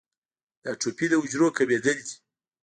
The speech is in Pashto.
د اټروفي د حجرو کمېدل دي.